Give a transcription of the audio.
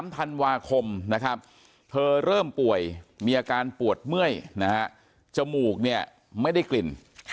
๓ธันวาคมนะครับเธอเริ่มป่วยมีอาการปวดเมื่อยจมูกเนี่ยไม่ได้กลิ่น